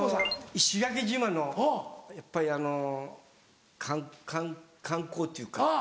石垣島のやっぱり観光っていうか。